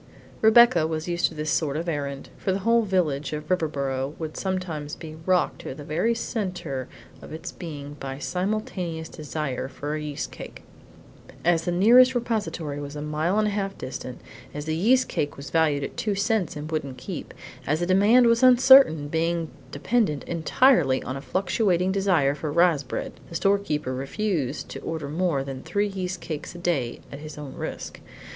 III Rebecca was used to this sort of errand, for the whole village of Riverboro would sometimes be rocked to the very centre of its being by simultaneous desire for a yeast cake. As the nearest repository was a mile and a half distant, as the yeast cake was valued at two cents and wouldn't keep, as the demand was uncertain, being dependent entirely on a fluctuating desire for "riz bread," the storekeeper refused to order more than three yeast cakes a day at his own risk.